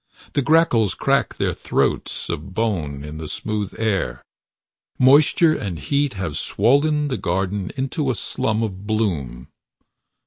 The grackles crack their throats of bone in the smooth air. Moisture and heat have swollen the garden into a slum of bloom.